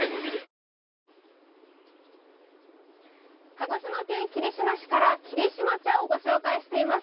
鹿児島県霧島市から霧島茶をご紹介しています。